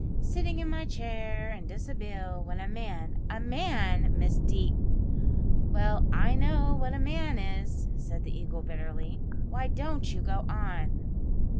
Sitting in my chair in dishabille, when a man a Man, Miss Dee " "Well, I know what a man is," said the Eagle bitterly; "why don't you go on?"